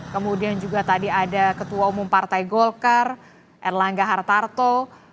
kemudian juga tadi ada ketua umum partai golkar erlangga hartarto